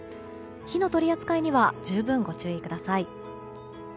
火の取り扱いには十分ご注意ください。